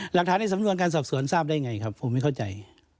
ในสำนวนการสอบสวนทราบได้ไงครับผมไม่เข้าใจ